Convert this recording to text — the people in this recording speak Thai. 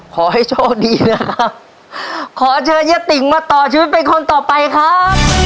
ขอให้โชคดีนะครับขอเชิญยะติ๋งมาต่อชีวิตเป็นคนต่อไปครับ